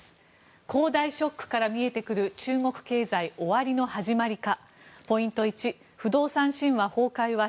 恒大ショックから見えてくる中国経済終わりの始まりか。